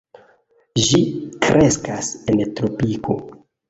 Ĝi kreskas en tropiko.